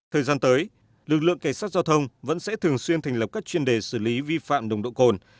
thời gian tới lực lượng cảnh sát giao thông vẫn sẽ thường xuyên thành lập các chuyên đề xử lý vi phạm nồng độ cồn